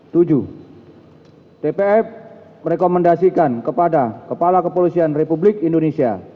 tujuh tpf merekomendasikan kepada kepala kepolisian republik indonesia